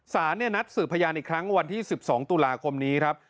สารนัดสืบพยานอีกครั้งวันที่๑๒ตุลาคมนี้ครับ